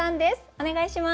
お願いします。